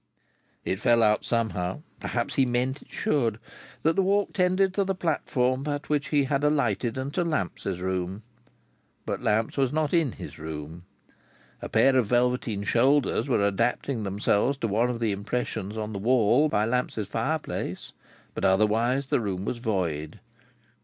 It fell out somehow (perhaps he meant it should) that the walk tended to the platform at which he had alighted, and to Lamps's room. But Lamps was not in his room. A pair of velveteen shoulders were adapting themselves to one of the impressions on the wall by Lamps's fireplace, but otherwise the room was void.